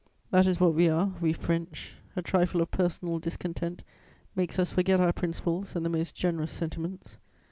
That is what we are, we French: a trifle of personal discontent makes us forget our principles and the most generous sentiments.